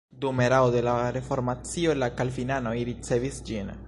Dum erao de la reformacio la kalvinanoj ricevis ĝin.